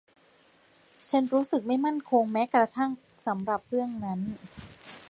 ฉันรู้สึกไม่มั่นคงแม้กระทั่งสำหรับเรื่องนั้น